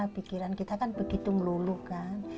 pikiran kita kan begitu melulu kan